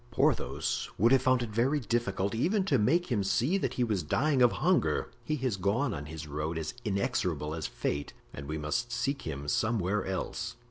Porthos would have found it very difficult even to make him see that he was dying of hunger; he has gone on his road as inexorable as fate and we must seek him somewhere else."